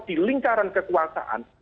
di lingkaran kekuasaan